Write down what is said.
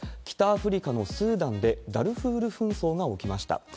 北アフリカのスーダンで、ダルフール紛争が起きました。